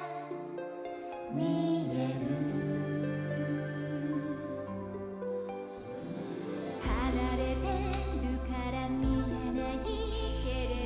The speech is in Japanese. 「みえる」「はなれているからみえないけれど」